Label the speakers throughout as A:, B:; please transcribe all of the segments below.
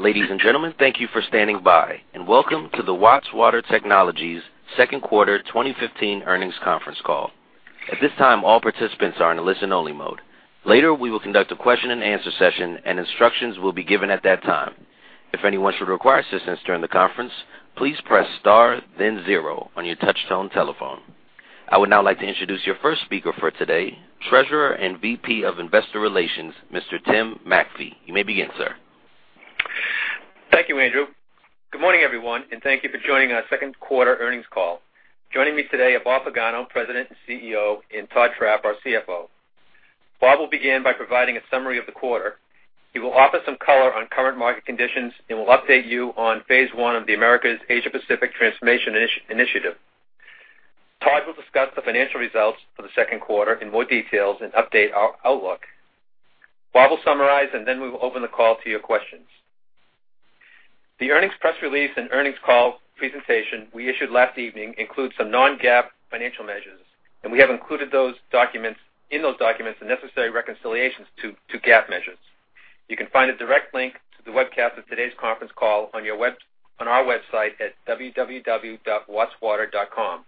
A: Ladies and gentlemen, thank you for standing by, and welcome to the Watts Water Technologies Second Quarter 2015 Earnings Conference Call. At this time, all participants are in a listen-only mode. Later, we will conduct a question-and-answer session, and instructions will be given at that time. If anyone should require assistance during the conference, please press star then zero on your touch-tone telephone. I would now like to introduce your first speaker for today, Treasurer and VP of Investor Relations, Mr. Tim MacPhee. You may begin, sir.
B: Thank you, Andrew. Good morning, everyone, and thank you for joining our second quarter earnings call. Joining me today are Bob Pagano, President and CEO, and Todd Trapp, our CFO. Bob will begin by providing a summary of the quarter. He will offer some color on current market conditions and will update you on Phase One of the Americas/Asia-Pacific Transformation Initiative. Todd will discuss the financial results for the second quarter in more details and update our outlook. Bob will summarize, and then we will open the call to your questions. The earnings press release and earnings call presentation we issued last evening include some non-GAAP financial measures, and we have included in those documents the necessary reconciliations to GAAP measures. You can find a direct link to the webcast of today's conference call on our website at www.wattswater.com.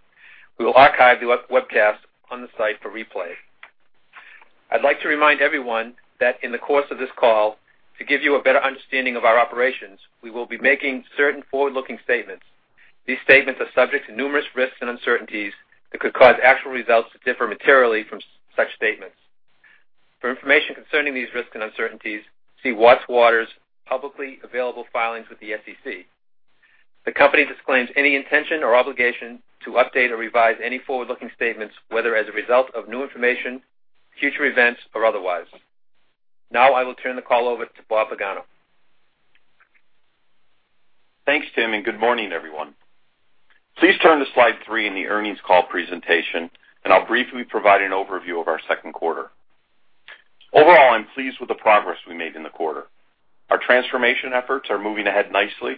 B: We will archive the webcast on the site for replay. I'd like to remind everyone that in the course of this call, to give you a better understanding of our operations, we will be making certain forward-looking statements. These statements are subject to numerous risks and uncertainties that could cause actual results to differ materially from such statements. For information concerning these risks and uncertainties, see Watts Water's publicly available filings with the SEC. The company disclaims any intention or obligation to update or revise any forward-looking statements, whether as a result of new information, future events, or otherwise. Now I will turn the call over to Bob Pagano.
C: Thanks, Tim, and good morning, everyone. Please turn to slide 3 in the earnings call presentation, and I'll briefly provide an overview of our second quarter. Overall, I'm pleased with the progress we made in the quarter. Our transformation efforts are moving ahead nicely.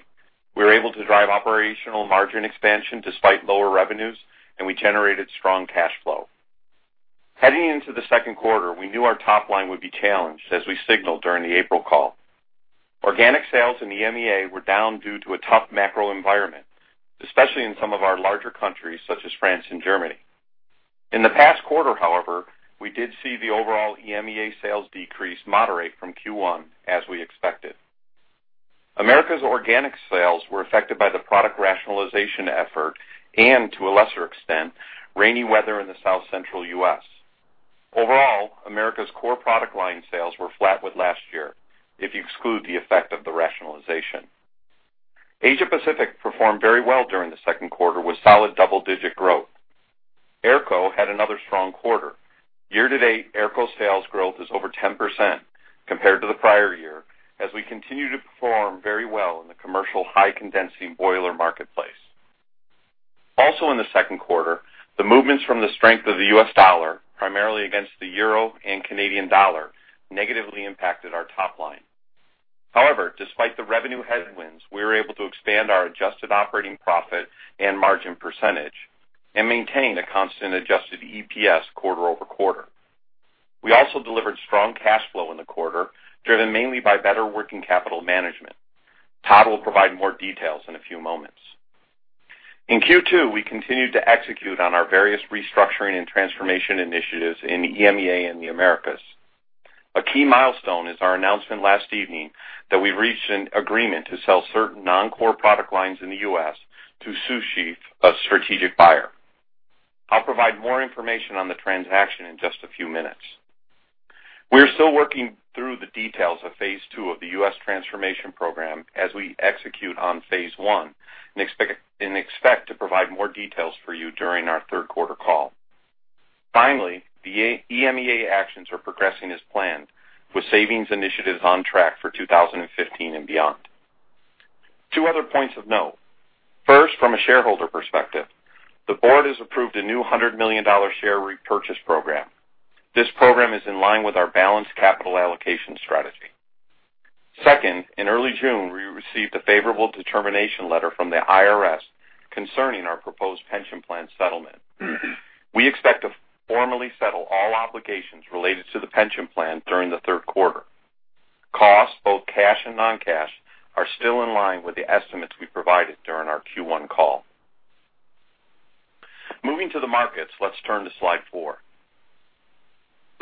C: We were able to drive operational margin expansion despite lower revenues, and we generated strong cash flow. Heading into the second quarter, we knew our top line would be challenged, as we signaled during the April call. Organic sales in the EMEA were down due to a tough macro environment, especially in some of our larger countries, such as France and Germany. In the past quarter, however, we did see the overall EMEA sales decrease moderate from Q1, as we expected. Americas organic sales were affected by the product rationalization effort and, to a lesser extent, rainy weather in the South Central U.S. Overall, Americas' core product line sales were flat with last year, if you exclude the effect of the rationalization. Asia-Pacific performed very well during the second quarter, with solid double-digit growth. AERCO had another strong quarter. Year-to-date, AERCO's sales growth is over 10% compared to the prior year, as we continue to perform very well in the commercial high-condensing boiler marketplace. Also in the second quarter, the movements from the strength of the U.S. dollar, primarily against the Euro and Canadian dollar, negatively impacted our top line. However, despite the revenue headwinds, we were able to expand our adjusted operating profit and margin percentage and maintain a constant Adjusted EPS quarter-over-quarter. We also delivered strong cash flow in the quarter, driven mainly by better working capital management. Todd will provide more details in a few moments. In Q2, we continued to execute on our various restructuring and transformation initiatives in EMEA and the Americas. A key milestone is our announcement last evening that we've reached an agreement to sell certain non-core product lines in the U.S. to Sioux Chief, a strategic buyer. I'll provide more information on the transaction in just a few minutes. We're still working through the details Phase Two of the U.S. transformation program as we execute on Phase One, and expect to provide more details for you during our third quarter call. Finally, the EMEA actions are progressing as planned, with savings initiatives on track for 2015 and beyond. Two other points of note. First, from a shareholder perspective, the board has approved a new $100 million share repurchase program. This program is in line with our balanced capital allocation strategy. Second, in early June, we received a favorable determination letter from the IRS concerning our proposed pension plan settlement. We expect to formally settle all obligations related to the pension plan during the third quarter. Costs, both cash and non-cash, are still in line with the estimates we provided during our Q1 call. Moving to the markets, let's turn to slide 4.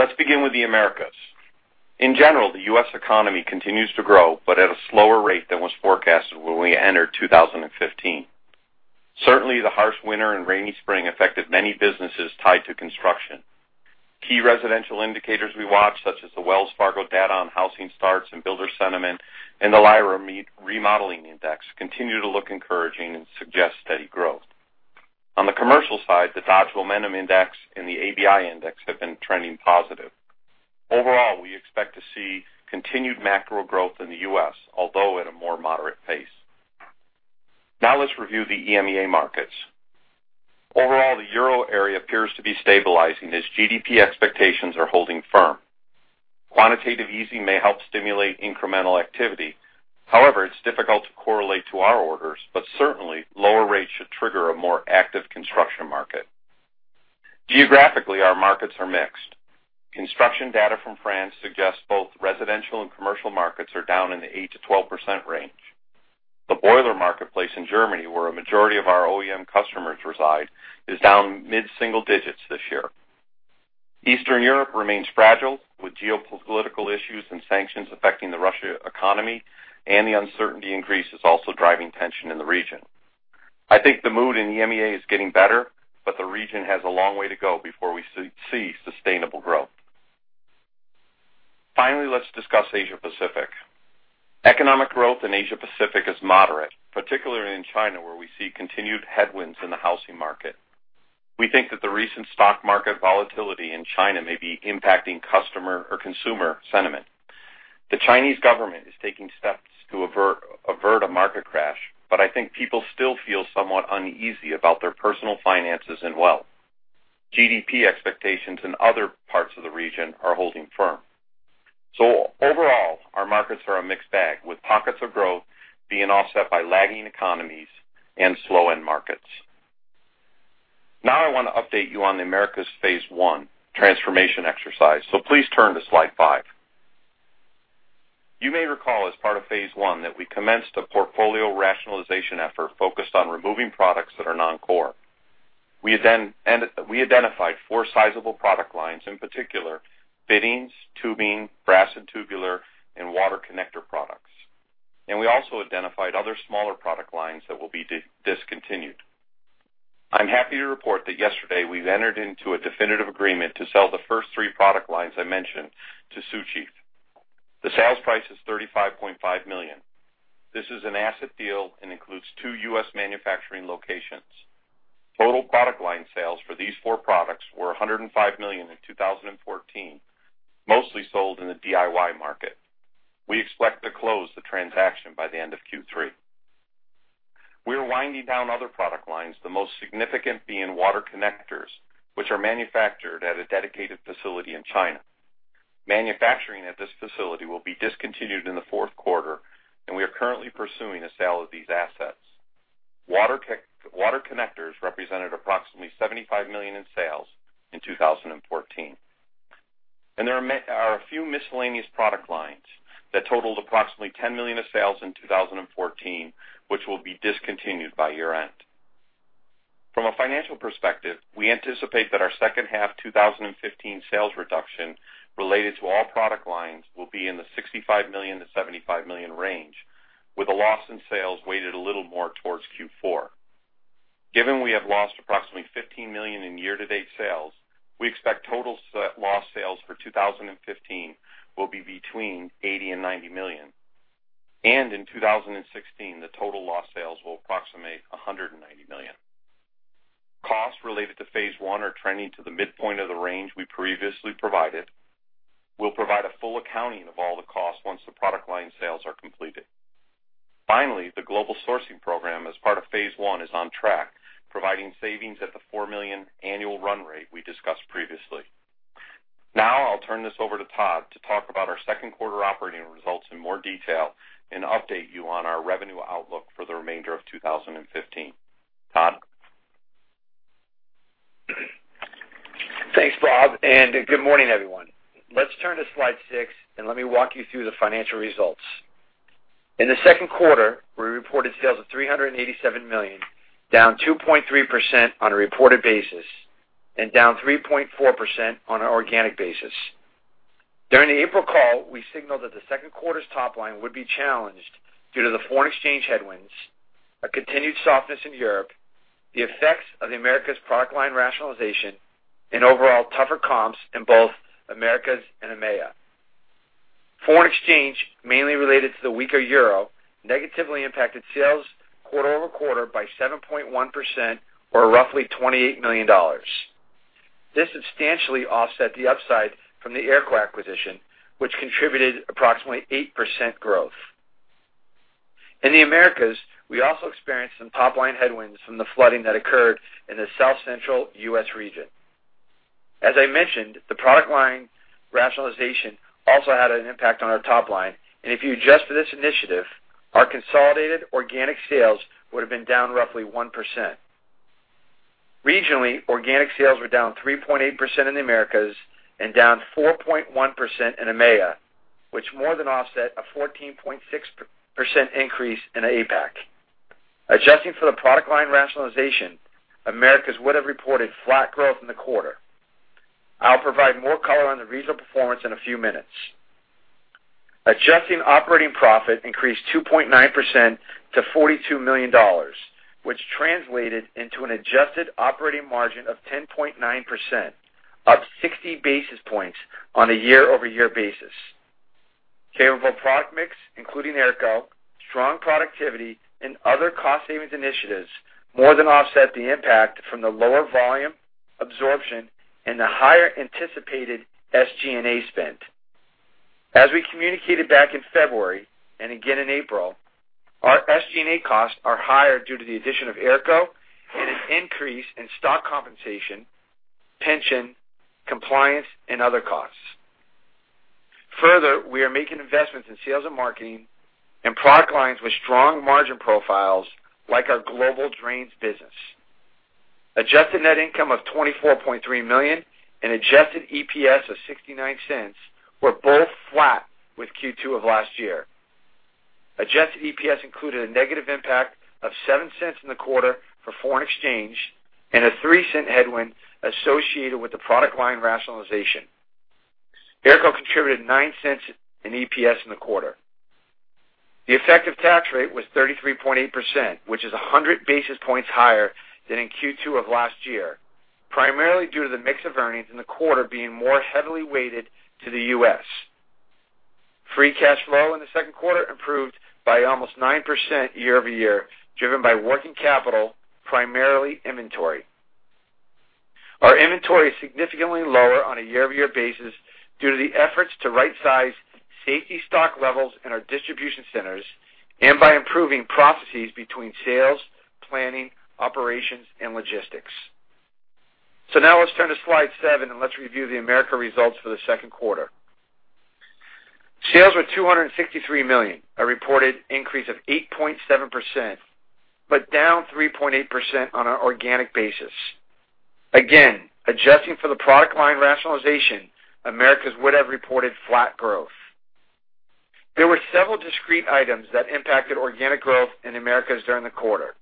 C: Let's begin with the Americas. In general, the U.S. economy continues to grow, but at a slower rate than was forecasted when we entered 2015. Certainly, the harsh winter and rainy spring affected many businesses tied to construction. Key residential indicators we watch, such as the Wells Fargo data on housing starts and builder sentiment and the LIRA Remodeling Index, continue to look encouraging and suggest steady growth. On the commercial side, the Dodge Momentum Index and the ABI Index have been trending positive. Overall, we expect to see continued macro growth in the U.S., although at a more moderate pace. Now let's review the EMEA markets. Overall, the Euro area appears to be stabilizing as GDP expectations are holding firm. Quantitative easing may help stimulate incremental activity. However, it's difficult to correlate to our orders, but certainly, lower rates should trigger a more active construction market. Geographically, our markets are mixed. Construction data from France suggests both residential and commercial markets are down in the 8%-12% range. The boiler marketplace in Germany, where a majority of our OEM customers reside, is down mid-single digits this year. Eastern Europe remains fragile, with geopolitical issues and sanctions affecting the Russian economy, and the uncertainty increase is also driving tension in the region. I think the mood in EMEA is getting better, but the region has a long way to go before we see sustainable growth. Finally, let's discuss Asia-Pacific. Economic growth in Asia-Pacific is moderate, particularly in China, where we see continued headwinds in the housing market. We think that the recent stock market volatility in China may be impacting customer or consumer sentiment. The Chinese government is taking steps to avert a market crash, but I think people still feel somewhat uneasy about their personal finances and wealth. GDP expectations in other parts of the region are holding firm. So overall, our markets are a mixed bag, with pockets of growth being offset by lagging economies and slow end markets. Now, I wanna update you on the Americas Phase One transformation exercise. So please turn to slide five. You may recall, as part of Phase One, that we commenced a portfolio rationalization effort focused on removing products that are non-core. We then identified four sizable product lines, in particular, fittings, tubing, brass and tubular, and water connector products. We also identified other smaller product lines that will be discontinued. I'm happy to report that yesterday, we've entered into a definitive agreement to sell the first three product lines I mentioned to Sioux Chief. The sales price is $35.5 million. This is an asset deal and includes two U.S. manufacturing locations. Total product line sales for these four products were $105 million in 2014, mostly sold in the DIY market. We expect to close the transaction by the end of Q3. We are winding down other product lines, the most significant being water connectors, which are manufactured at a dedicated facility in China. Manufacturing at this facility will be discontinued in the fourth quarter, and we are currently pursuing the sale of these assets. Water connectors represented approximately $75 million in sales in 2014. There are a few miscellaneous product lines that totaled approximately $10 million in sales in 2014, which will be discontinued by year-end. From a financial perspective, we anticipate that our second half 2015 sales reduction related to all product lines will be in the $65 million-$75 million range, with a loss in sales weighted a little more towards Q4. Given we have lost approximately $15 million in year-to-date sales, we expect total lost sales for 2015 will be between $80 million and $90 million. In 2016, the total lost sales will approximate $190 million. Costs related to Phase One are trending to the midpoint of the range we previously provided. We'll provide a full accounting of all the costs once the product line sales are completed. Finally, the global sourcing program, as part of Phase One, is on track, providing savings at the $4 million annual run rate we discussed previously. Now, I'll turn this over to Todd to talk about our second quarter operating results in more detail and update you on our revenue outlook for the remainder of 2015. Todd?
D: Thanks, Bob, and good morning, everyone. Let's turn to slide 6, and let me walk you through the financial results. In the second quarter, we reported sales of $387 million, down 2.3% on a reported basis and down 3.4% on an organic basis. During the April call, we signaled that the second quarter's top line would be challenged due to the foreign exchange headwinds, a continued softness in Europe, the effects of the Americas product line rationalization, and overall tougher comps in both Americas and EMEA. Foreign exchange, mainly related to the weaker euro, negatively impacted sales quarter-over-quarter by 7.1% or roughly $28 million. This substantially offset the upside from the AERCO acquisition, which contributed approximately 8% growth. In the Americas, we also experienced some top-line headwinds from the flooding that occurred in the South Central U.S. region. As I mentioned, the product line rationalization also had an impact on our top line, and if you adjust for this initiative, our consolidated organic sales would have been down roughly 1%. Regionally, organic sales were down 3.8% in the Americas and down 4.1% in EMEA, which more than offset a 14.6% increase in APAC. Adjusting for the product line rationalization, Americas would have reported flat growth in the quarter. I'll provide more color on the regional performance in a few minutes. Adjusted operating profit increased 2.9% to $42 million, which translated into an adjusted operating margin of 10.9%, up 60 basis points on a year-over-year basis. Favorable product mix, including AERCO, strong productivity, and other cost savings initiatives, more than offset the impact from the lower volume absorption and the higher anticipated SG&A spend. As we communicated back in February, and again in April, our SG&A costs are higher due to the addition of AERCO and an increase in stock compensation, pension, compliance, and other costs. Further, we are making investments in sales and marketing and product lines with strong margin profiles, like our Global Drains business. Adjusted net income of $24.3 million and Adjusted EPS of $0.69 were both flat with Q2 of last year. Adjusted EPS included a negative impact of $0.07 in the quarter for foreign exchange and a $0.03 headwind associated with the product line rationalization. AERCO contributed $0.09 in EPS in the quarter. The effective tax rate was 33.8%, which is 100 basis points higher than in Q2 of last year, primarily due to the mix of earnings in the quarter being more heavily weighted to the U.S. Free cash flow in the second quarter improved by almost 9% year-over-year, driven by working capital, primarily inventory. Our inventory is significantly lower on a year-over-year basis due to the efforts to right-size safety stock levels in our distribution centers and by improving processes between sales, planning, operations, and logistics. So now let's turn to slide seven, and let's review the Americas results for the second quarter. Sales were $263 million, a reported increase of 8.7%, but down 3.8% on an organic basis. Again, adjusting for the product line rationalization, Americas would have reported flat growth. There were several discrete items that impacted organic growth in Americas during the quarter.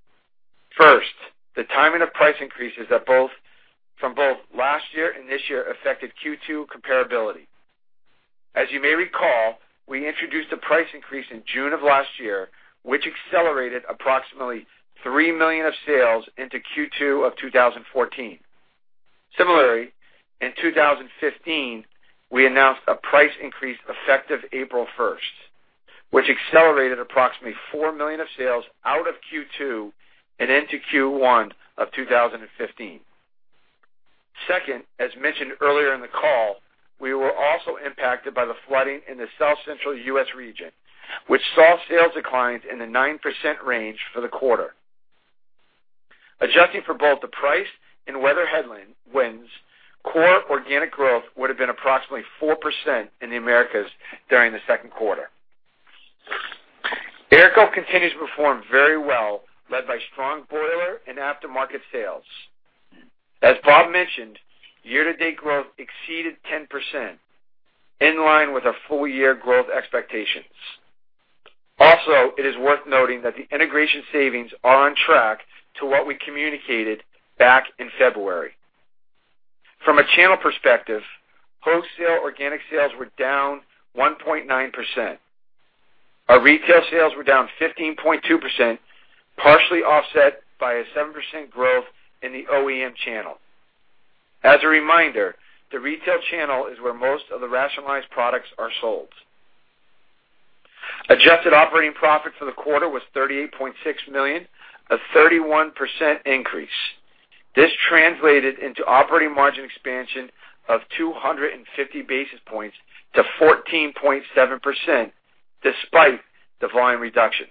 D: First, the timing of price increases at both-- from both last year and this year affected Q2 comparability. As you may recall, we introduced a price increase in June of last year, which accelerated approximately $3 million of sales into Q2 of 2014. Similarly, in 2015, we announced a price increase effective April first, which accelerated approximately $4 million of sales out of Q2 and into Q1 of 2015. Second, as mentioned earlier in the call, we were also impacted by the flooding in the South Central U.S. region, which saw sales declines in the 9% range for the quarter. Adjusting for both the price and weather headwinds, core organic growth would have been approximately 4% in the Americas during the second quarter. AERCO continues to perform very well, led by strong boiler and aftermarket sales. As Bob mentioned, year-to-date growth exceeded 10%, in line with our full-year growth expectations. Also, it is worth noting that the integration savings are on track to what we communicated back in February. From a channel perspective, wholesale organic sales were down 1.9%. Our retail sales were down 15.2%, partially offset by a 7% growth in the OEM channel. As a reminder, the retail channel is where most of the rationalized products are sold. Adjusted operating profit for the quarter was $38.6 million, a 31% increase. This translated into operating margin expansion of 250 basis points to 14.7%, despite the volume reduction.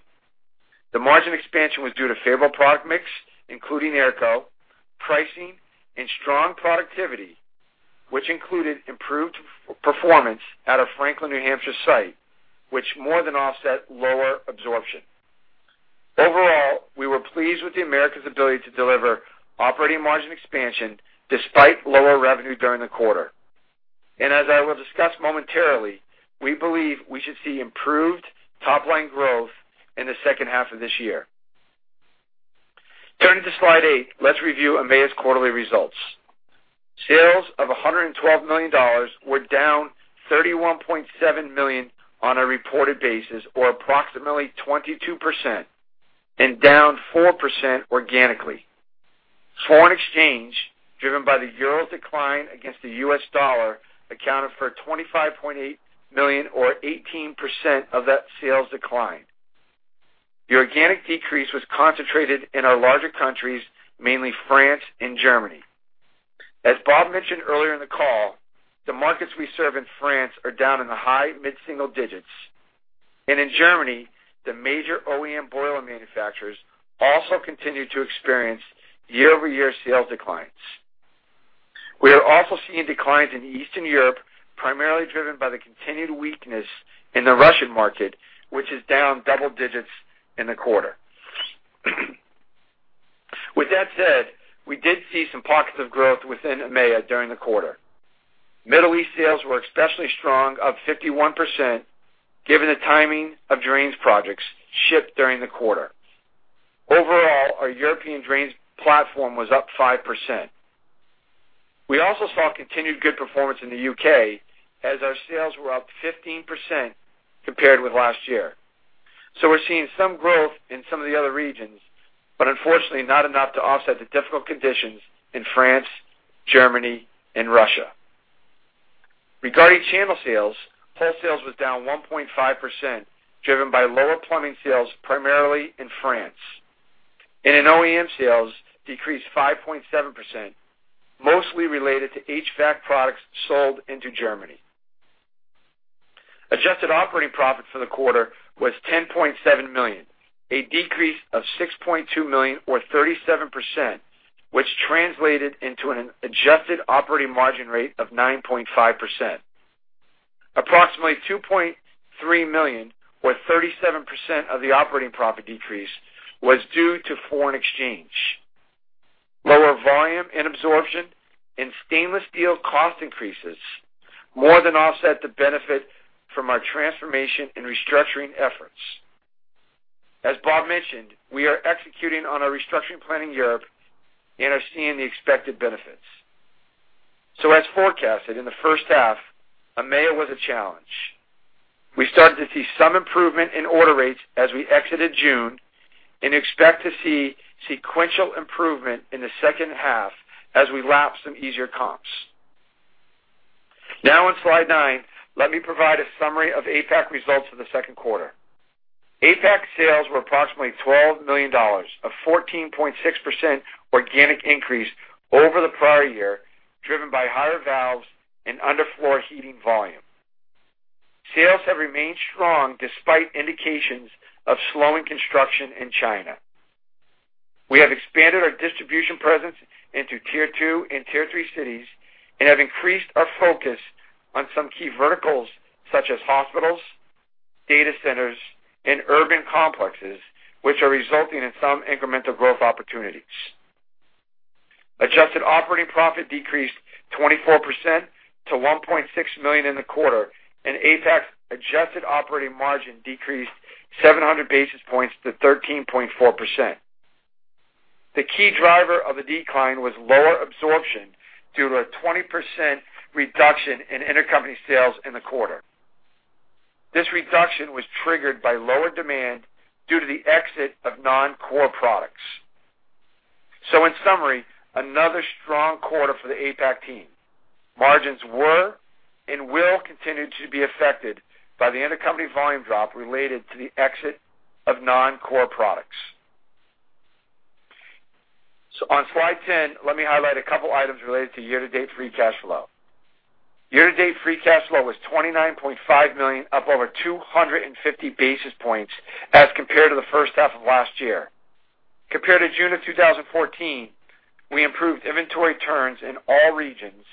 D: The margin expansion was due to favorable product mix, including AERCO, pricing, and strong productivity, which included improved performance at our Franklin, New Hampshire, site, which more than offset lower absorption. Overall, we were pleased with the Americas' ability to deliver operating margin expansion despite lower revenue during the quarter. And as I will discuss momentarily, we believe we should see improved top-line growth in the second half of this year. Turning to slide eight, let's review EMEA's quarterly results. Sales of $112 million were down $31.7 million on a reported basis, or approximately 22%, and down 4% organically. Foreign exchange, driven by the euro decline against the US dollar, accounted for $25.8 million or 18% of that sales decline. The organic decrease was concentrated in our larger countries, mainly France and Germany. As Bob mentioned earlier in the call, the markets we serve in France are down in the high mid-single digits, and in Germany, the major OEM boiler manufacturers also continue to experience year-over-year sales declines. We are also seeing declines in Eastern Europe, primarily driven by the continued weakness in the Russian market, which is down double digits in the quarter. With that said, we did see some pockets of growth within EMEA during the quarter. Middle East sales were especially strong, up 51%, given the timing of drains projects shipped during the quarter. Overall, our European drains platform was up 5%. We also saw continued good performance in the U.K., as our sales were up 15% compared with last year. So we're seeing some growth in some of the other regions, but unfortunately, not enough to offset the difficult conditions in France, Germany, and Russia. Regarding channel sales, wholesale sales was down 1.5%, driven by lower plumbing sales, primarily in France. In OEM, sales decreased 5.7%, mostly related to HVAC products sold into Germany. Adjusted operating profit for the quarter was $10.7 million, a decrease of $6.2 million or 37%, which translated into an adjusted operating margin rate of 9.5%. Approximately $2.3 million, or 37% of the operating profit decrease, was due to foreign exchange. Lower volume and absorption and stainless steel cost increases more than offset the benefit from our transformation and restructuring efforts. As Bob mentioned, we are executing on our restructuring plan in Europe and are seeing the expected benefits. As forecasted, in the first half, EMEA was a challenge. We started to see some improvement in order rates as we exited June and expect to see sequential improvement in the second half as we lap some easier comps. Now, on slide 9, let me provide a summary of APAC results for the second quarter. APAC sales were approximately $12 million, a 14.6% organic increase over the prior year, driven by higher valves and underfloor heating volume. Sales have remained strong despite indications of slowing construction in China. We have expanded our distribution presence into tier two and tier three cities and have increased our focus on some key verticals, such as hospitals, data centers, and urban complexes, which are resulting in some incremental growth opportunities. Adjusted operating profit decreased 24% to $1.6 million in the quarter, and APAC's adjusted operating margin decreased 700 basis points to 13.4%. The key driver of the decline was lower absorption due to a 20% reduction in intercompany sales in the quarter. This reduction was triggered by lower demand due to the exit of non-core products. So in summary, another strong quarter for the APAC team. Margins were and will continue to be affected by the intercompany volume drop related to the exit of non-core products. So on slide 10, let me highlight a couple items related to year-to-date free cash flow. Year-to-date free cash flow was $29.5 million, up over 250 basis points as compared to the first half of last year. Compared to June of 2014, we improved inventory turns in all regions,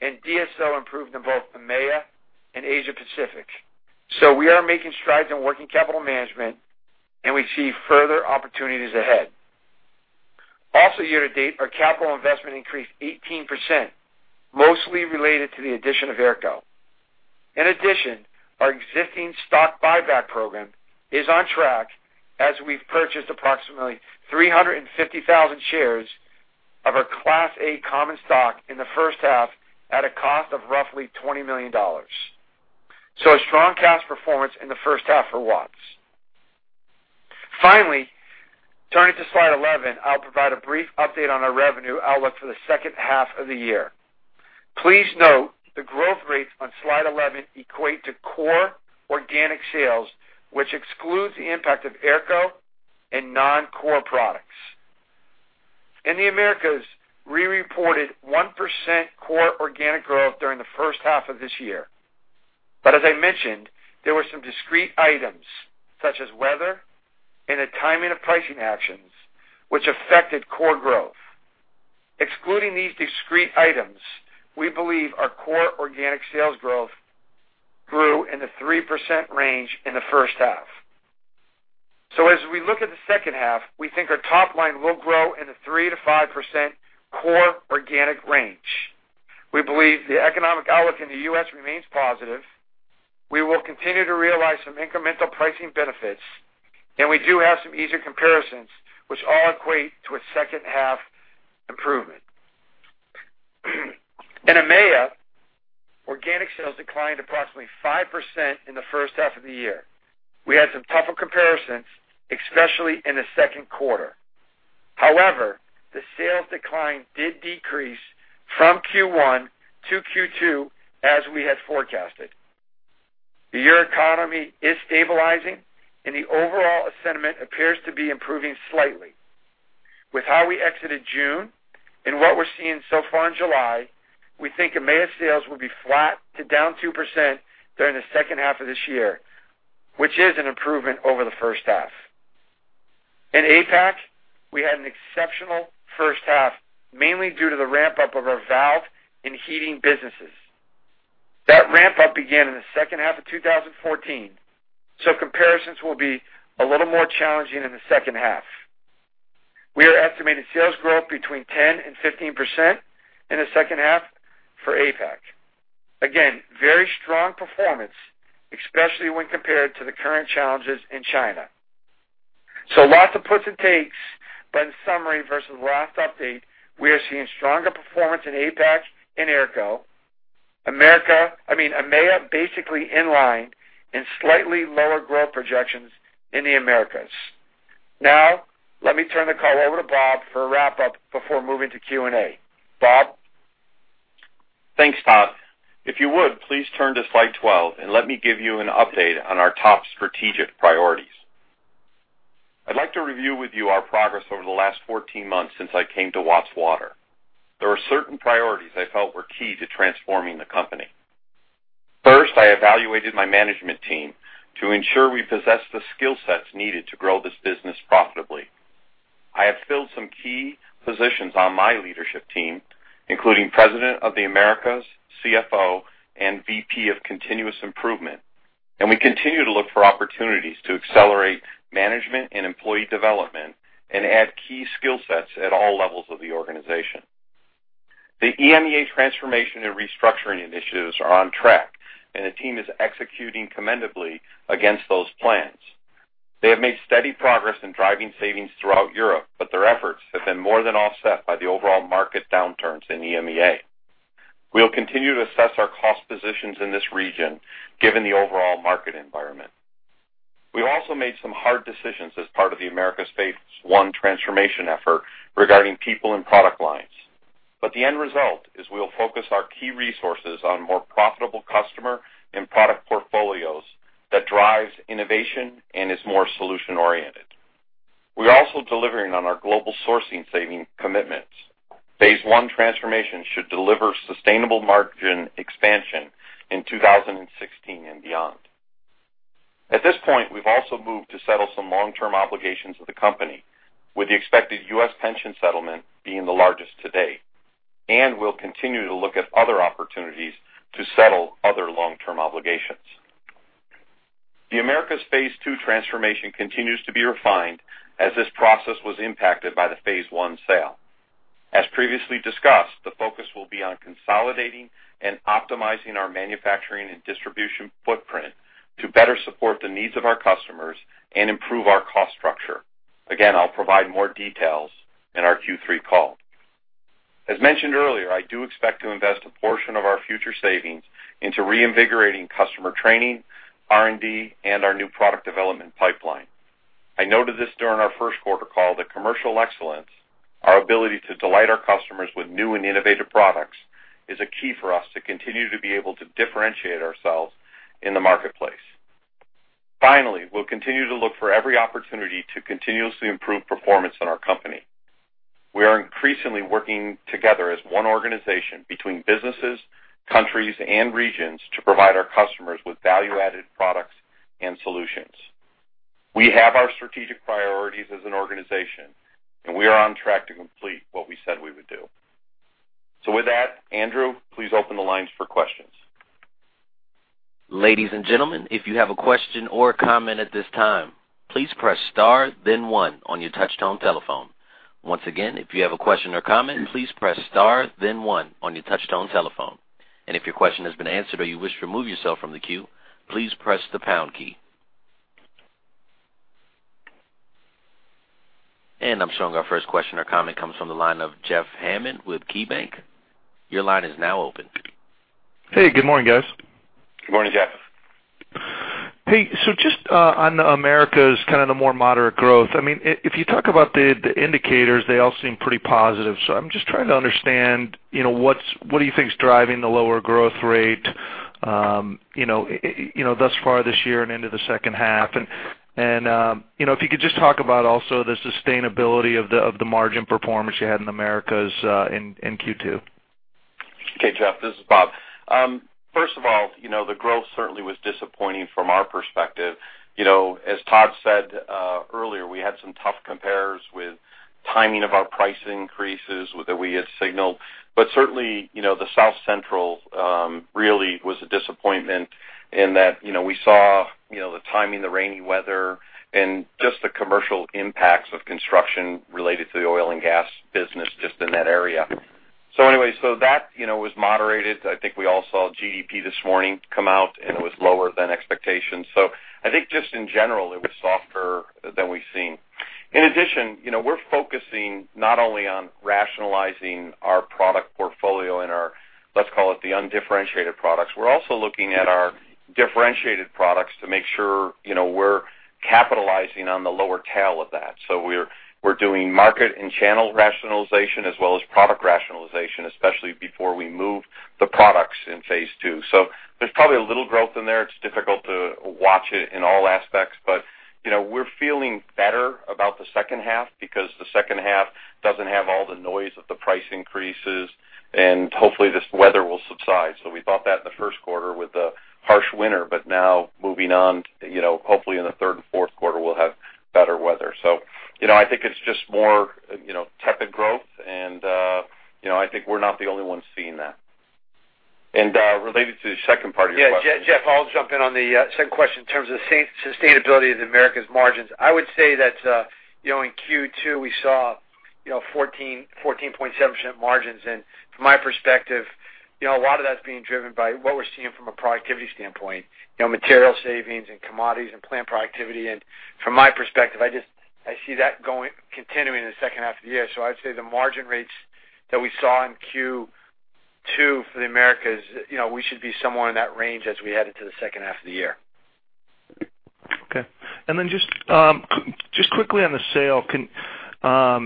D: and DSO improved in both EMEA and Asia-Pacific. So we are making strides in working capital management, and we see further opportunities ahead. Also, year to date, our capital investment increased 18%, mostly related to the addition of AERCO. In addition, our existing stock buyback program is on track, as we've purchased approximately 350,000 shares of our Class A common stock in the first half at a cost of roughly $20 million. So a strong cash performance in the first half for Watts. Finally, turning to slide 11, I'll provide a brief update on our revenue outlook for the second half of the year. Please note the growth rates on slide 11 equate to core organic sales, which excludes the impact of AERCO and non-core products. In the Americas, we reported 1% core organic growth during the first half of this year. But as I mentioned, there were some discrete items, such as weather and the timing of pricing actions, which affected core growth. Excluding these discrete items, we believe our core organic sales growth grew in the 3% range in the first half. So as we look at the second half, we think our top line will grow in the 3%-5% core organic range. We believe the economic outlook in the U.S. remains positive. We will continue to realize some incremental pricing benefits, and we do have some easier comparisons, which all equate to a second-half improvement. In EMEA, organic sales declined approximately 5% in the first half of the year. We had some tougher comparisons, especially in the second quarter. However, the sales decline did decrease from Q1 to Q2, as we had forecasted. The euro economy is stabilizing, and the overall sentiment appears to be improving slightly. With how we exited June and what we're seeing so far in July, we think EMEA sales will be flat to down 2% during the second half of this year, which is an improvement over the first half. In APAC, we had an exceptional first half, mainly due to the ramp-up of our valve and heating businesses. That ramp-up began in the second half of 2014, so comparisons will be a little more challenging in the second half. We are estimating sales growth between 10% and 15% in the second half for APAC. Again, very strong performance, especially when compared to the current challenges in China. So lots of puts and takes, but in summary, versus the last update, we are seeing stronger performance in APAC and AERCO. America-- I mean, EMEA, basically in line, and slightly lower growth projections in the Americas. Now, let me turn the call over to Bob for a wrap-up before moving to Q&A. Bob?
C: Thanks, Todd. If you would, please turn to slide 12 and let me give you an update on our top strategic priorities. I'd like to review with you our progress over the last 14 months since I came to Watts Water. There were certain priorities I felt were key to transforming the company.... I evaluated my management team to ensure we possess the skill sets needed to grow this business profitably. I have filled some key positions on my leadership team, including President of the Americas, CFO, and VP of Continuous Improvement, and we continue to look for opportunities to accelerate management and employee development and add key skill sets at all levels of the organization. The EMEA transformation and restructuring initiatives are on track, and the team is executing commendably against those plans. They have made steady progress in driving savings throughout Europe, but their efforts have been more than offset by the overall market downturns in EMEA. We'll continue to assess our cost positions in this region given the overall market environment. We also made some hard decisions as part of the Americas Phase One transformation effort regarding people and product lines, but the end result is we'll focus our key resources on more profitable customer and product portfolios that drives innovation and is more solution-oriented. We're also delivering on our global sourcing saving commitments. Phase One transformation should deliver sustainable margin expansion in 2016 and beyond. At this point, we've also moved to settle some long-term obligations of the company, with the expected U.S. pension settlement being the largest to date, and we'll continue to look at other opportunities to settle other long-term obligations. The Phase Two transformation continues to be refined as this process was impacted by the Phase One sale. As previously discussed, the focus will be on consolidating and optimizing our manufacturing and distribution footprint to better support the needs of our customers and improve our cost structure. Again, I'll provide more details in our Q3 call. As mentioned earlier, I do expect to invest a portion of our future savings into reinvigorating customer training, R&D, and our new product development pipeline. I noted this during our first quarter call, that commercial excellence, our ability to delight our customers with new and innovative products, is a key for us to continue to be able to differentiate ourselves in the marketplace. Finally, we'll continue to look for every opportunity to continuously improve performance in our company. We are increasingly working together as one organization between businesses, countries, and regions to provide our customers with value-added products and solutions. We have our strategic priorities as an organization, and we are on track to complete what we said we would do. So with that, Andrew, please open the lines for questions.
A: Ladies and gentlemen, if you have a question or comment at this time, please press star, then one on your touchtone telephone. Once again, if you have a question or comment, please press star, then one on your touchtone telephone. And if your question has been answered or you wish to remove yourself from the queue, please press the pound key. I'm showing our first question or comment comes from the line of Jeff Hammond with KeyBanc. Your line is now open.
E: Hey, good morning, guys.
C: Good morning, Jeff.
E: Hey, so just on the Americas, kind of the more moderate growth, I mean, if you talk about the indicators, they all seem pretty positive. So I'm just trying to understand, you know, what do you think is driving the lower growth rate, you know, thus far this year and into the second half? And, you know, if you could just talk about also the sustainability of the margin performance you had in Americas in Q2.
C: Okay, Jeff, this is Bob. First of all, you know, the growth certainly was disappointing from our perspective. You know, as Todd said earlier, we had some tough compares with timing of our price increases that we had signaled. But certainly, you know, the South Central really was a disappointment in that, you know, we saw, you know, the timing, the rainy weather, and just the commercial impacts of construction related to the oil and gas business just in that area. So anyway, so that, you know, was moderated. I think we all saw GDP this morning come out, and it was lower than expectations. So I think just in general, it was softer than we've seen. In addition, you know, we're focusing not only on rationalizing our product portfolio in our, let's call it, the undifferentiated products. We're also looking at our differentiated products to make sure, you know, we're capitalizing on the lower tail of that. So we're, we're doing market and channel rationalization as well as product rationalization, especially before we move the products Phase Two. so there's probably a little growth in there. It's difficult to watch it in all aspects, but, you know, we're feeling better about the second half because the second half doesn't have all the noise of the price increases, and hopefully, this weather will subside. So we thought that in the first quarter with the harsh winter, but now moving on, you know, hopefully, in the third and fourth quarter, we'll have better weather. So, you know, I think it's just more, you know, tepid growth, and, you know, I think we're not the only ones seeing that. And, related to the second part of your question-
D: Yeah, Jeff, I'll jump in on the second question in terms of sustainability of the Americas margins. I would say that, you know, in Q2, we saw, you know, 14, 14.7% margins. And from my perspective, you know, a lot of that's being driven by what we're seeing from a productivity standpoint, you know, material savings and commodities and plant productivity. And from my perspective, I see that going, continuing in the second half of the year. So I'd say the margin rates that we saw in Q2 for the Americas, you know, we should be somewhere in that range as we head into the second half of the year.
E: Okay. And then just quickly on the sale, can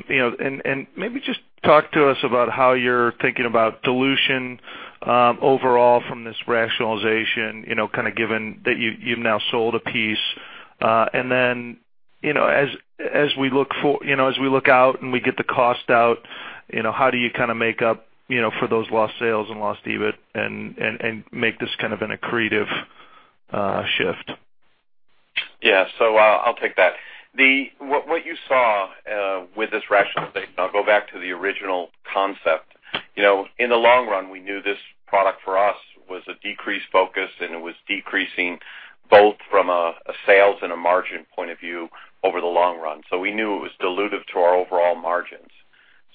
E: you know and maybe just talk to us about how you're thinking about dilution overall from this rationalization, you know, kind of given that you've now sold a piece?... and then, you know, as we look for, you know, as we look out and we get the cost out, you know, how do you kind of make up, you know, for those lost sales and lost EBIT and make this kind of an accretive shift?
C: Yeah. So I'll take that. What you saw with this rationalization, I'll go back to the original concept. You know, in the long run, we knew this product for us was a decreased focus, and it was decreasing both from a sales and a margin point of view over the long run. So we knew it was dilutive to our overall margins.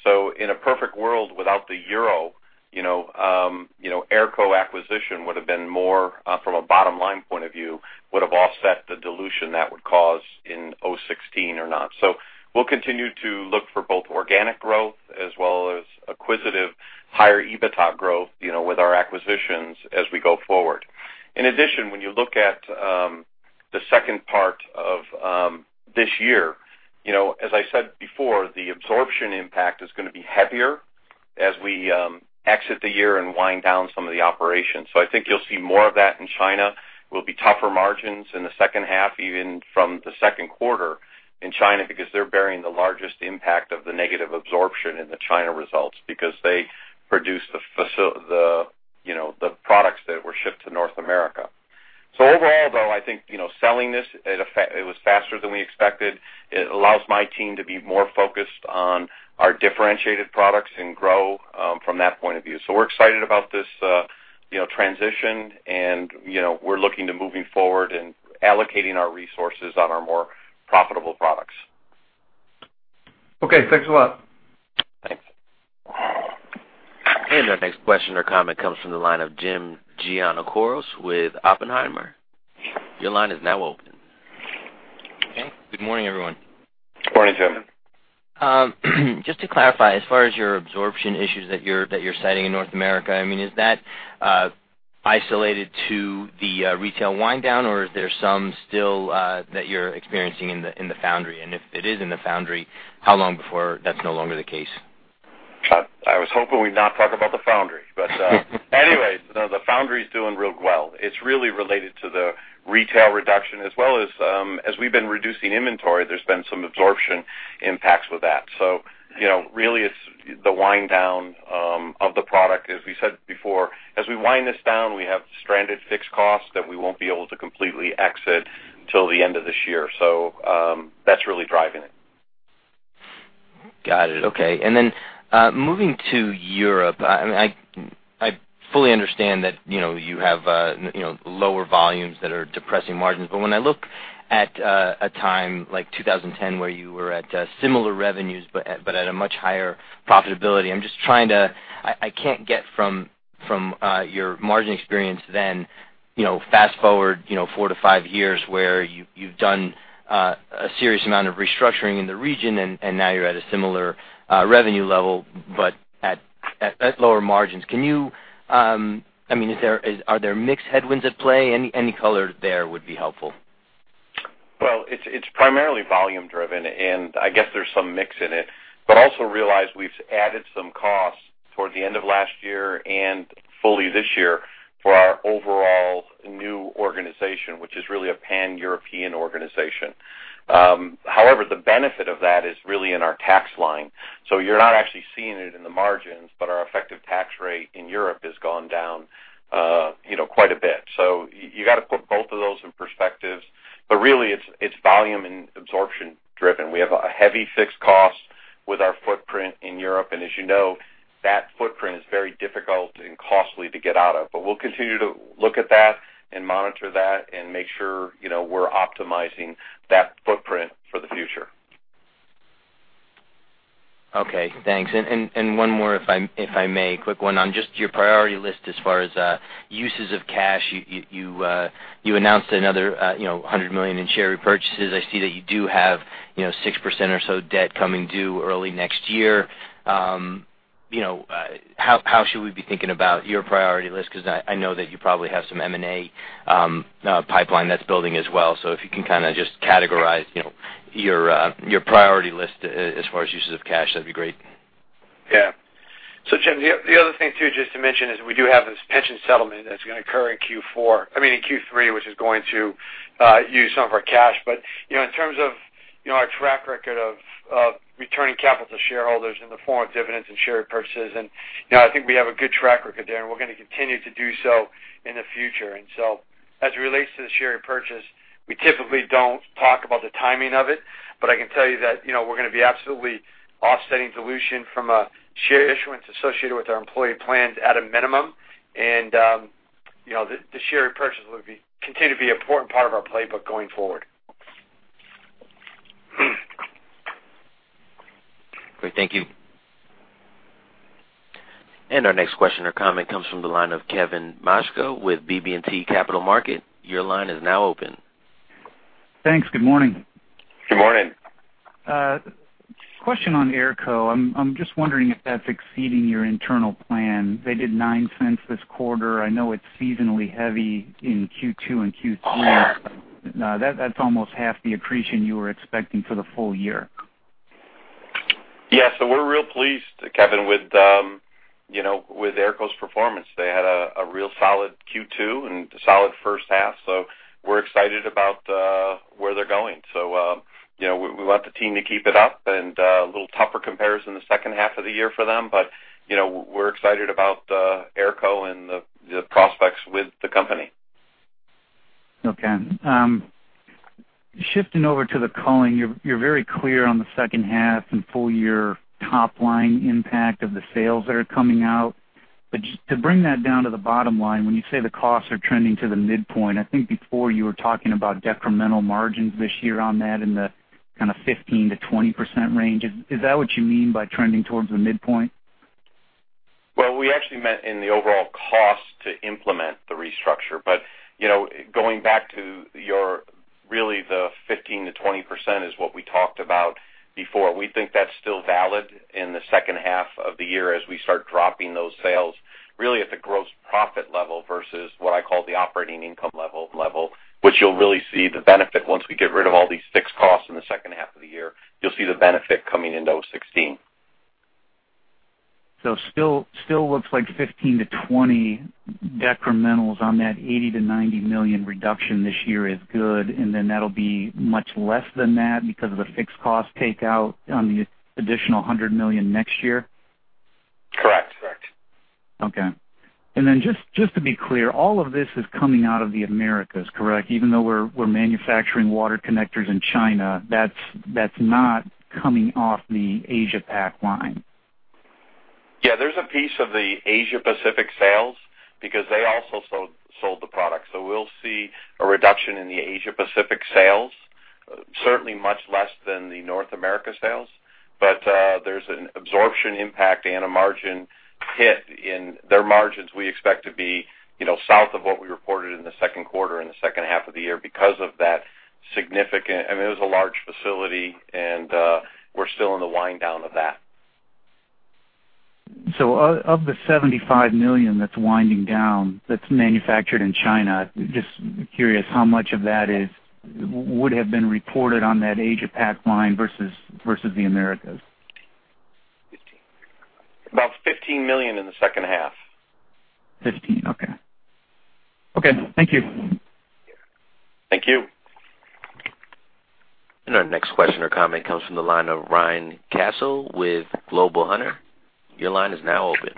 C: So in a perfect world, without the euro, you know, AERCO acquisition would have been more from a bottom-line point of view, would have offset the dilution that would cause in 2016 or not. So we'll continue to look for both organic growth as well as acquisitive higher EBITDA growth, you know, with our acquisitions as we go forward. In addition, when you look at the second part of this year, you know, as I said before, the absorption impact is gonna be heavier as we exit the year and wind down some of the operations. So I think you'll see more of that in China, will be tougher margins in the second half, even from the second quarter in China, because they're bearing the largest impact of the negative absorption in the China results, because they produce, you know, the products that were shipped to North America. So overall, though, I think, you know, selling this, it was faster than we expected. It allows my team to be more focused on our differentiated products and grow from that point of view. So we're excited about this, you know, transition, and, you know, we're looking to moving forward and allocating our resources on our more profitable products.
E: Okay. Thanks a lot.
C: Thanks.
A: Our next question or comment comes from the line of Jim Giannakouros with Oppenheimer. Your line is now open.
F: Okay. Good morning, everyone.
C: Morning, Jim.
F: Just to clarify, as far as your absorption issues that you're citing in North America, I mean, is that isolated to the retail wind down, or is there some still that you're experiencing in the foundry? And if it is in the foundry, how long before that's no longer the case?
C: I was hoping we'd not talk about the foundry. But, anyways, no, the foundry is doing real well. It's really related to the retail reduction as well as, as we've been reducing inventory, there's been some absorption impacts with that. So, you know, really, it's the wind down of the product. As we said before, as we wind this down, we have stranded fixed costs that we won't be able to completely exit till the end of this year. So, that's really driving it.
F: Got it. Okay. And then, moving to Europe, I fully understand that, you know, you have, you know, lower volumes that are depressing margins. But when I look at a time like 2010, where you were at similar revenues, but at a much higher profitability, I'm just trying to... I can't get from your margin experience then, you know, fast-forward, you know, four to five years, where you've done a serious amount of restructuring in the region, and now you're at a similar revenue level, but at lower margins. Can you, I mean, are there mixed headwinds at play? Any color there would be helpful.
C: Well, it's primarily volume driven, and I guess there's some mix in it. But also realize we've added some costs toward the end of last year and fully this year for our overall new organization, which is really a Pan-European organization. However, the benefit of that is really in our tax line, so you're not actually seeing it in the margins, but our effective tax rate in Europe has gone down, you know, quite a bit. So you gotta put both of those in perspective. But really, it's volume and absorption driven. We have a heavy fixed cost with our footprint in Europe, and as you know, that footprint is very difficult and costly to get out of. But we'll continue to look at that and monitor that and make sure, you know, we're optimizing that footprint for the future.
F: Okay, thanks. And one more, if I may. A quick one on just your priority list as far as uses of cash. You announced another, you know, $100 million in share repurchases. I see that you do have, you know, 6% or so debt coming due early next year. You know, how should we be thinking about your priority list? Because I know that you probably have some M&A pipeline that's building as well. So if you can kind of just categorize, you know, your priority list as far as uses of cash, that'd be great.
C: Yeah. So, Jim, the other thing, too, just to mention, is we do have this pension settlement that's gonna occur in Q4, I mean, in Q3, which is going to use some of our cash. But, you know, in terms of, you know, our track record of returning capital to shareholders in the form of dividends and share repurchases, and, you know, I think we have a good track record there, and we're gonna continue to do so in the future. And so as it relates to the share repurchase, we typically don't talk about the timing of it, but I can tell you that, you know, we're gonna be absolutely offsetting dilution from a share issuance associated with our employee plans at a minimum. And, you know, the share repurchase will continue to be an important part of our playbook going forward.
F: Great. Thank you.
A: Our next question or comment comes from the line of Kevin Maczka with BB&T Capital Markets. Your line is now open.
G: Thanks. Good morning.
C: Good morning.
G: Question on AERCO. I'm just wondering if that's exceeding your internal plan. They did $0.09 this quarter. I know it's seasonally heavy in Q2 and Q3. That's almost half the accretion you were expecting for the full year.
C: ...So we're real pleased, Kevin, with, you know, with AERCO's performance. They had a real solid Q2 and a solid first half, so we're excited about where they're going. So, you know, we want the team to keep it up and a little tougher comparison in the second half of the year for them. But, you know, we're excited about AERCO and the prospects with the company.
G: Okay. Shifting over to the selling, you're very clear on the second half and full year top line impact of the sales that are coming out. But to bring that down to the bottom line, when you say the costs are trending to the midpoint, I think before you were talking about decremental margins this year on that in the kind of 15%-20% range. Is that what you mean by trending towards the midpoint?
C: Well, we actually meant in the overall cost to implement the restructure. But, you know, going back to your, really, the 15%-20% is what we talked about before. We think that's still valid in the second half of the year as we start dropping those sales, really at the gross profit level versus what I call the operating income level, which you'll really see the benefit once we get rid of all these fixed costs in the second half of the year. You'll see the benefit coming into 2016.
G: So still looks like 15-20 decrementals on that $80 million-$90 million reduction this year is good, and then that'll be much less than that because of the fixed cost takeout on the additional $100 million next year?
C: Correct. Correct.
G: Okay. And then just, just to be clear, all of this is coming out of the Americas, correct? Even though we're, we're manufacturing water connectors in China, that's, that's not coming off the Asia-Pac line.
C: Yeah, there's a piece of the Asia-Pacific sales because they also sold, sold the product. So we'll see a reduction in the Asia-Pacific sales, certainly much less than the North America sales. But there's an absorption impact and a margin hit in... Their margins, we expect to be, you know, south of what we reported in the second quarter, in the second half of the year because of that significant—I mean, it was a large facility, and we're still in the wind down of that.
G: So of the $75 million that's winding down, that's manufactured in China, just curious, how much of that is, would have been reported on that Asia-Pac line versus the Americas?
C: About $15 million in the second half.
G: 15, okay. Okay, thank you.
C: Thank you.
A: Our next question or comment comes from the line of Ryan Cassil with Global Hunter. Your line is now open.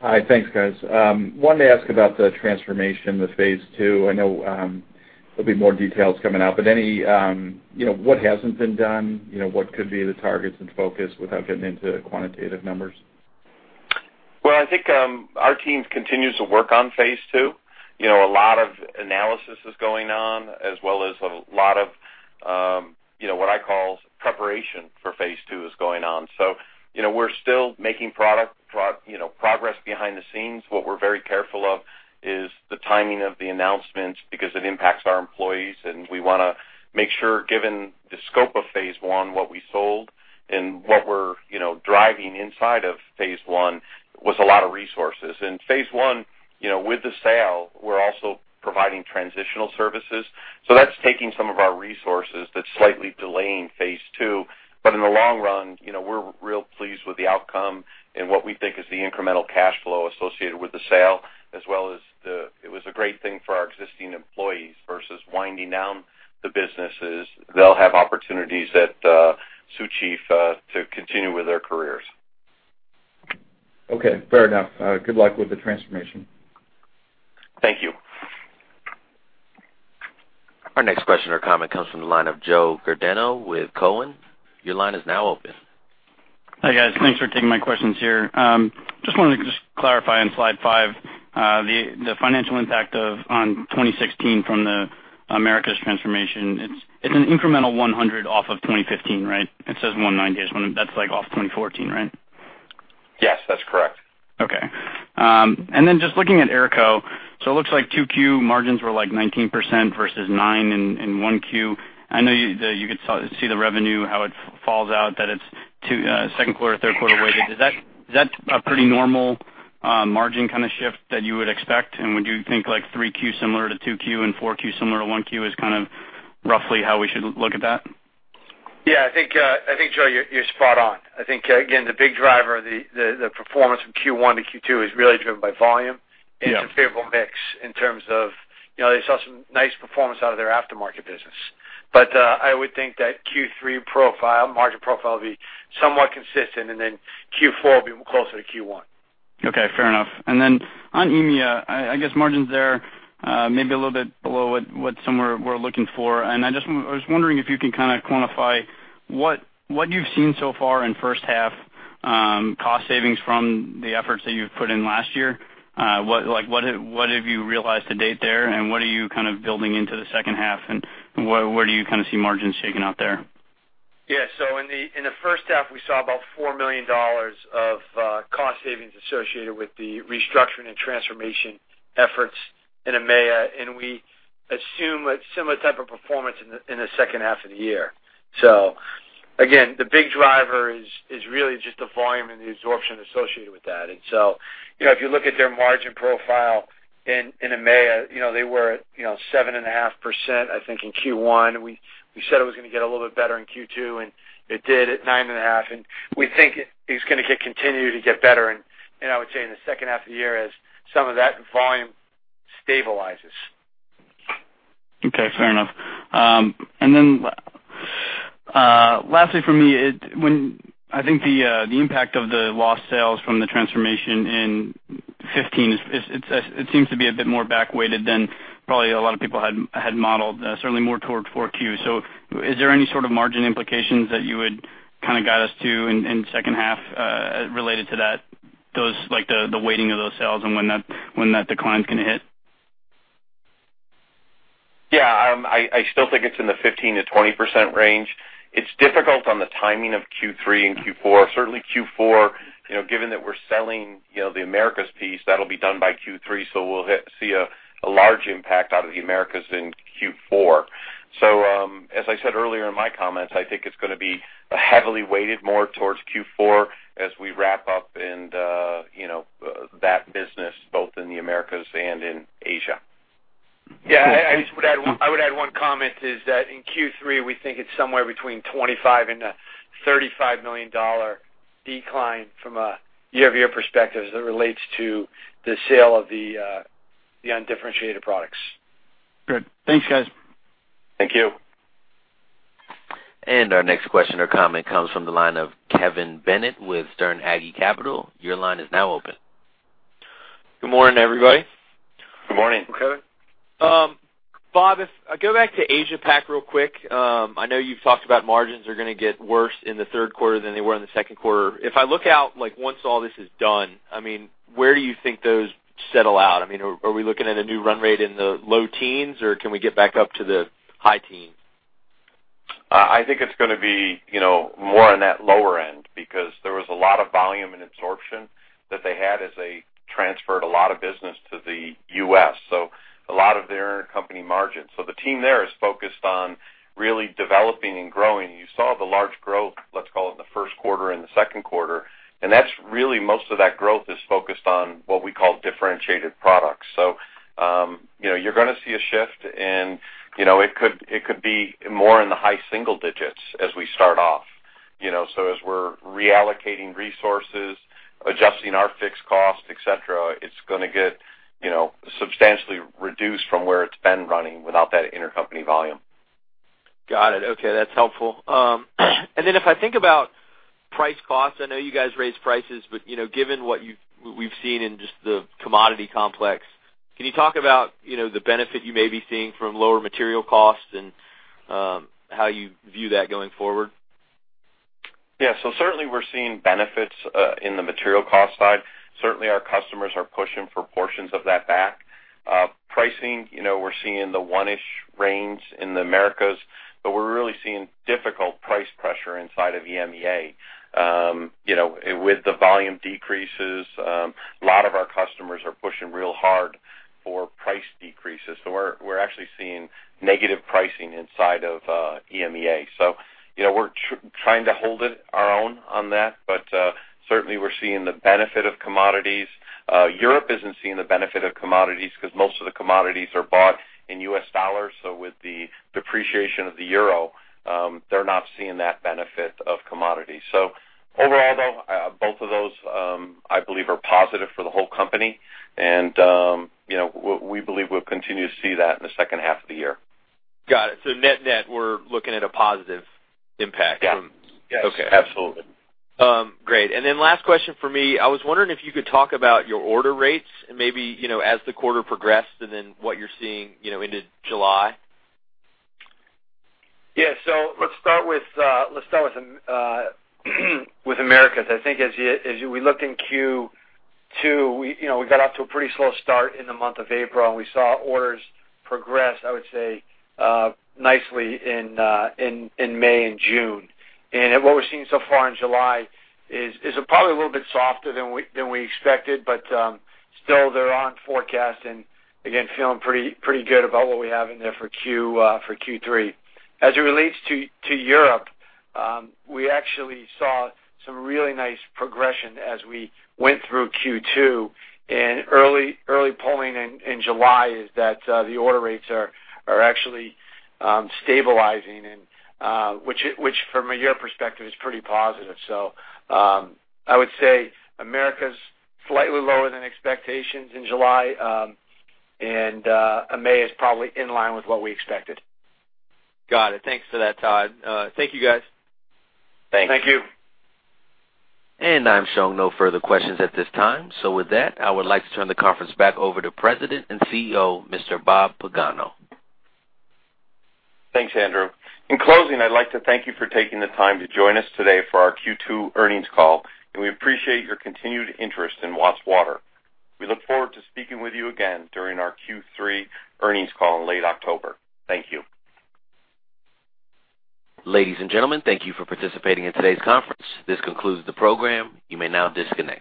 H: Hi. Thanks, guys. Wanted to ask about the transformation, Phase Two. i know, there'll be more details coming out, but any, you know, what hasn't been done? You know, what could be the targets and focus without getting into quantitative numbers?
C: Well, I think our team continues to work Phase Two. you know, a lot of analysis is going on, as well as a lot of, you know, what I call preparation Phase Two is going on. So, you know, we're still making progress behind the scenes. What we're very careful of is the timing of the announcements, because it impacts our employees, and we wanna make sure, given the scope of Phase One, what we sold and what we're, you know, driving inside of Phase One, was a lot of resources. And Phase One, you know, with the sale, we're also providing transitional services. So that's taking some of our resources, that's slightly delaying Phase Two. But in the long run, you know, we're real pleased with the outcome and what we think is the incremental cash flow associated with the sale, as well as the, it was a great thing for our existing employees, versus winding down the businesses. They'll have opportunities at Sioux Chief to continue with their careers.
H: Okay, fair enough. Good luck with the transformation.
C: Thank you.
A: Our next question or comment comes from the line of Joe Giordano with Cowen. Your line is now open.
I: Hi, guys. Thanks for taking my questions here. Just wanted to just clarify on slide 5, the financial impact on 2016 from the Americas transformation. It's an incremental $100 off of 2015, right? It says $190. That's like, off of 2014, right?
C: Yes, that's correct.
I: Okay. And then just looking at AERCO, so it looks like 2Q margins were like 19% versus 9% in 1Q. I know that you could see the revenue, how it falls out, that it's 2, second quarter, third quarter weighted. Is that a pretty normal margin kind of shift that you would expect? And would you think like 3Q similar to 2Q and 4Q similar to 1Q is kind of roughly how we should look at that?
C: Yeah, I think, Joe, you're spot on. I think, again, the big driver, the performance from Q1 to Q2 is really driven by volume-
I: Yeah.
C: Some favorable mix in terms of, you know, they saw some nice performance out of their aftermarket business. But, I would think that Q3 profile, margin profile, would be somewhat consistent, and then Q4 will be closer to Q1.
I: Okay, fair enough. And then on EMEA, I guess margins there may be a little bit below what some were looking for. And I just was wondering if you can kind of quantify what you've seen so far in first half cost savings from the efforts that you've put in last year. What have you realized to date there, and what are you kind of building into the second half, and where do you kind of see margins shaking out there?
C: Yeah. So in the first half, we saw about $4 million of cost savings associated with the restructuring and transformation efforts in EMEA, and we assume a similar type of performance in the second half of the year. So... Again, the big driver is, is really just the volume and the absorption associated with that. And so, you know, if you look at their margin profile in, in EMEA, you know, they were at, you know, 7.5%, I think, in Q1. We, we said it was gonna get a little bit better in Q2, and it did at 9.5%, and we think it's gonna get continue to get better, and, and I would say in the second half of the year, as some of that volume stabilizes.
I: Okay, fair enough. And then, lastly for me, it, when I think the, the impact of the lost sales from the transformation in 2015 is, it seems to be a bit more back weighted than probably a lot of people had modeled, certainly more towards 4Q. So is there any sort of margin implications that you would kind of guide us to in the second half, related to that? Those, like, the weighting of those sales and when that decline is gonna hit?
C: Yeah, I still think it's in the 15%-20% range. It's difficult on the timing of Q3 and Q4. Certainly, Q4, you know, given that we're selling, you know, the Americas piece, that'll be done by Q3, so we'll see a large impact out of the Americas in Q4. So, as I said earlier in my comments, I think it's gonna be heavily weighted more towards Q4 as we wrap up and, you know, that business, both in the Americas and in Asia.
D: Yeah, I just would add one comment, is that in Q3, we think it's somewhere between $25 and $35 million decline from a year-over-year perspective, as it relates to the sale of the undifferentiated products.
I: Good. Thanks, guys.
C: Thank you.
A: Our next question or comment comes from the line of Kevin Bennett with Sterne Agee. Your line is now open.
J: Good morning, everybody.
C: Good morning.
D: Hey, Kevin.
J: Bob, if I go back to Asia-Pac real quick, I know you've talked about margins are gonna get worse in the third quarter than they were in the second quarter. If I look out, like, once all this is done, I mean, where do you think those settle out? I mean, are we looking at a new run rate in the low teens, or can we get back up to the high teens?
C: I think it's gonna be, you know, more on that lower end because there was a lot of volume and absorption that they had as they transferred a lot of business to the U.S., so a lot of their intercompany margins. So the team there is focused on really developing and growing. You saw the large growth, let's call it, in the first quarter and the second quarter, and that's really, most of that growth is focused on what we call differentiated products. So, you know, you're gonna see a shift and, you know, it could, it could be more in the high single digits as we start off. You know, so as we're reallocating resources, adjusting our fixed costs, et cetera, it's gonna get, you know, substantially reduced from where it's been running without that intercompany volume.
J: Got it. Okay, that's helpful. And then if I think about price costs, I know you guys raised prices, but, you know, given what we've seen in just the commodity complex, can you talk about, you know, the benefit you may be seeing from lower material costs and, how you view that going forward?
C: Yeah. So certainly, we're seeing benefits in the material cost side. Certainly, our customers are pushing for portions of that back. Pricing, you know, we're seeing in the 1-ish range in the Americas, but we're really seeing difficult price pressure inside of EMEA. You know, with the volume decreases, a lot of our customers are pushing real hard for price decreases, so we're actually seeing negative pricing inside of EMEA. So, you know, we're trying to hold our own on that, but certainly we're seeing the benefit of commodities. Europe isn't seeing the benefit of commodities because most of the commodities are bought in U.S. dollars, so with the depreciation of the euro, they're not seeing that benefit of commodities. Overall, though, both of those, I believe, are positive for the whole company, and, you know, we believe we'll continue to see that in the second half of the year.
J: Got it. So net-net, we're looking at a positive impact from-
C: Yeah.
D: Yes.
C: Absolutely.
J: Great. Then last question for me. I was wondering if you could talk about your order rates and maybe, you know, as the quarter progressed, and then what you're seeing, you know, into July.
D: Yeah. So let's start with Americas. I think as we looked in Q2, we, you know, we got off to a pretty slow start in the month of April, and we saw orders progress, I would say, nicely in May and June. And what we're seeing so far in July is probably a little bit softer than we expected, but still, they're on forecast, and again, feeling pretty good about what we have in there for Q3. As it relates to Europe, we actually saw some really nice progression as we went through Q2, and early polling in July is that the order rates are actually stabilizing, and which from a year perspective is pretty positive. So, I would say Americas is slightly lower than expectations in July, and May is probably in line with what we expected.
J: Got it. Thanks for that, Todd. Thank you, guys.
C: Thanks.
D: Thank you.
A: I'm showing no further questions at this time. With that, I would like to turn the conference back over to President and CEO, Mr. Bob Pagano.
C: Thanks, Andrew. In closing, I'd like to thank you for taking the time to join us today for our Q2 earnings call, and we appreciate your continued interest in Watts Water. We look forward to speaking with you again during our Q3 earnings call in late October. Thank you.
A: Ladies and gentlemen, thank you for participating in today's conference. This concludes the program. You may now disconnect.